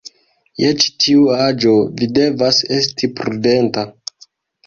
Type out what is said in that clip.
Je ĉi tiu aĝo, vi devas esti prudenta.